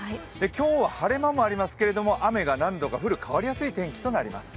今日は晴れ間もありますけど雨が何度か降る変わりやすい天気となります。